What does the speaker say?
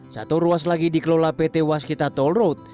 satu ruas lagi dikelola pt waskita toll road